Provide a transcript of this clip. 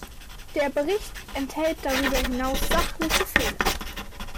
Der Bericht enthält darüber hinaus sachliche Fehler.